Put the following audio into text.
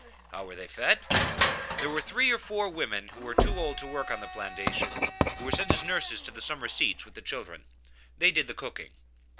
How were they fed? There were three or four women who were too old to work on the plantation who were sent as nurses to the summer seats with the children; they did the cooking.